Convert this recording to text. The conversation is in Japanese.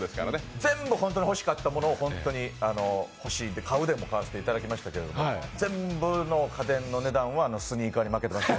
全部本当に欲しかったものを欲しいって買うで買わせてもらいましたけど全部の家電の値段は、あのスニーカーに負けてます。